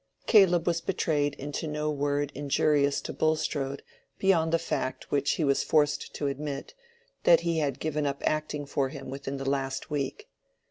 Caleb was betrayed into no word injurious to Bulstrode beyond the fact which he was forced to admit, that he had given up acting for him within the last week.